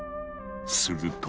すると。